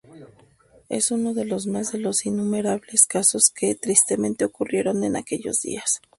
Es uno más de los innumerables casos que tristemente ocurrieron en aquellos días.